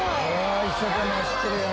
一生懸命走ってるやん。